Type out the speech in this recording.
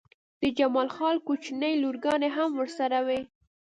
د جمال خان کوچنۍ لورګانې هم ورسره وې